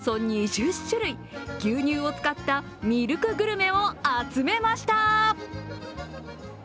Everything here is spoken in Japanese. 今回はおよそ２０種類、牛乳を使ったミルクグルメを集めました。